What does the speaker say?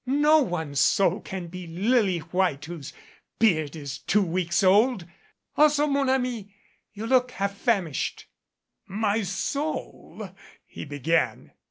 No one's soul can be lily white whose beard is two weeks old. Also, mon ami, you look half famished." "My soul " he began.